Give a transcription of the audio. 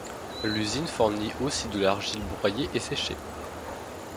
L'usine fournit aussi de l'argile broyée et séchée.